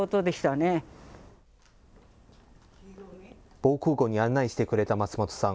防空ごうに案内してくれた松本さん。